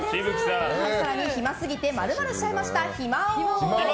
更に暇すぎて○○しちゃいました暇王。